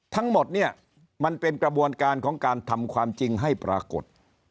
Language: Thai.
ทั้งหมดเนี่ยมันเป็นกระบวนการของการทำความจริงให้ปรากฏ